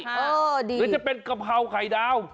หรือจะเป็นกะเพราไข่ดาว